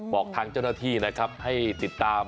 บอกทางเจ้าหน้าที่นะครับให้ติดตาม